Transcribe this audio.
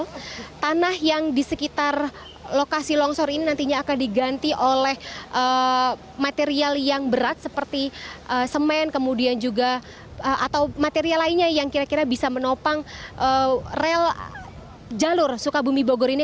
karena tanah yang di sekitar lokasi longsor ini nantinya akan diganti oleh material yang berat seperti semen kemudian juga atau material lainnya yang kira kira bisa menopang rel jalur sukabumi bogor ini